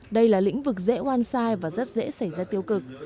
đây là lĩnh vực dễ oan sai và rất dễ xảy ra tiêu cực